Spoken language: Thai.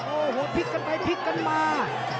โอ้โหพลิกกันไปพลิกกันมา